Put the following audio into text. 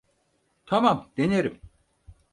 Tamam, denerim.